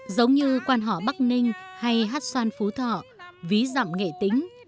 giống như quan họ bắc ninh hay hát xoan phú thọ ví dặm nghệ tĩnh